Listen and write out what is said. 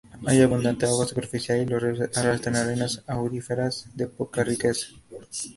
Hay abundante agua superficial y los ríos arrastran arenas auríferas de poca riqueza.